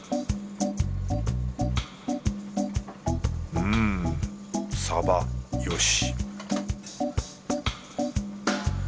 うんサバよし